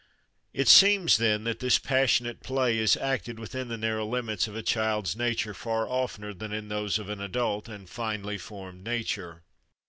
It seems, then, that this passionate play is acted within the narrow limits of a child's nature far oftener than in those of an adult and finally formed nature.